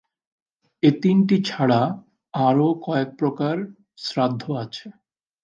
এ তিনটি ছাড়া আরও কয়েক প্রকার শ্রাদ্ধ আছে।